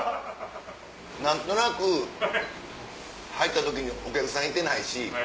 何となく入った時にお客さんいてないし。